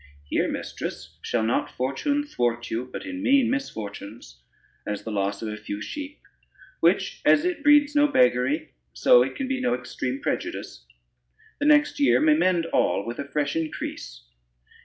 Here, mistress, shall not fortune thwart you, but in mean misfortunes, as the loss of a few sheep, which, as it breeds no beggary, so it can be no extreme prejudice: the next year may mend all with a fresh increase.